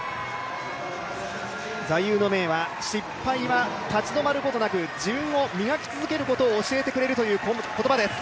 座右の銘は、失敗は立ち止まることなく自分を磨き続けることを教えてくれるという言葉です。